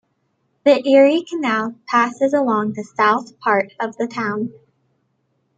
The Erie Canal passes along the south part of the town.